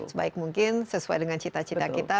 sebaik mungkin sesuai dengan cita cita kita